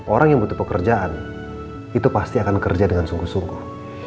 orang yang butuh pekerjaan itu pasti akan kerja dengan sungguh sungguh